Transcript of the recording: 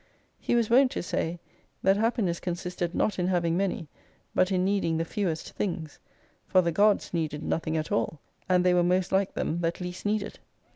He was wont to say : That Happifiess consisted not in having matiy, hut in needing the fewest things : for the Gods needed nothing at all, and they were most like them that least needed.